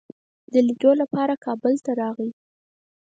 د لیدلو لپاره کابل ته راغی.